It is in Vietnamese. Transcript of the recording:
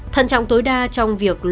thân trọng tối đa trong việc lưu ý